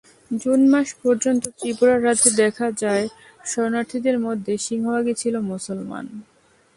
June মাস পর্যন্ত ত্রিপুরা রাজ্যে দেখা যায় শরণার্থীদের মধ্যে সিংহভাগই ছিল মুসলমান।